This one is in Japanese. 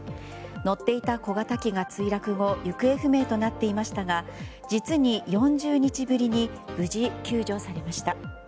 乗っていた小型機が墜落後行方不明となっていましたが実に４０日ぶりに無事、救助されました。